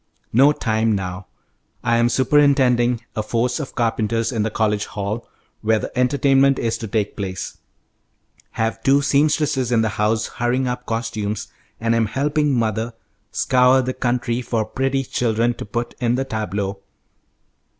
No time now. I am superintending a force of carpenters in the college hall, where the entertainment is to take place, have two seamstresses in the house hurrying up costumes, and am helping mother scour the country for pretty children to put in the tableaux.